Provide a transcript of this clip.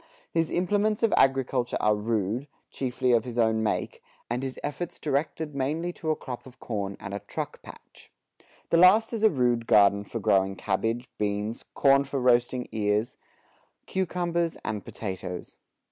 His implements of agriculture are rude, chiefly of his own make, and his efforts directed mainly to a crop of corn and a "truck patch." The last is a rude garden for growing cabbage, beans, corn for roasting ears, cucumbers, and potatoes.